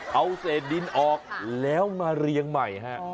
เอาเศษดินออกแล้วมาเรียงใหม่ฮะ